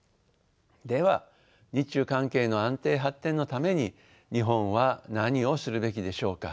では日中関係の安定発展のために日本は何をするべきでしょうか。